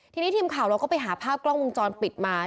ทีนี้ทีมข่าวเราก็ไปหาภาพกล้องวงจรปิดมา